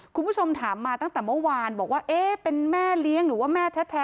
คุณผู้ชมถามมาตั้งแต่เมื่อวานบอกว่าเอ๊ะเป็นแม่เลี้ยงหรือว่าแม่แท้